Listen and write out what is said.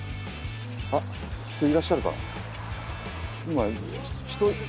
人いらっしゃるか。